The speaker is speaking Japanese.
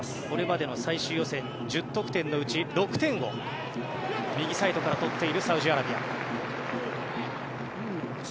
これまでの最終予選１０得点のうち６点を右サイドから取っているサウジアラビア。